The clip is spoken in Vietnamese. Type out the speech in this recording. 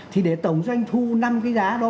thì để tổng doanh thu năm cái giá đó